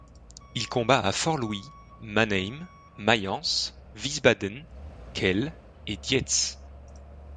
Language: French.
Il combat à Fort-Louis, Mannheim, Mayence, Wiesbaden, Kehl et Dietz.